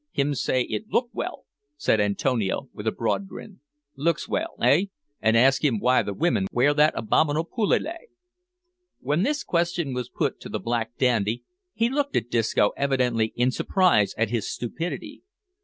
"Hims say it look well," said Antonio, with a broad grin. "Looks well eh? and ask him why the women wear that abominable pelele." When this question was put to the black dandy, he looked at Disco evidently in surprise at his stupidity.